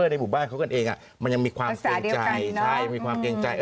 ในบทบ้านเขากันเองมันยังมีความเก็งใจ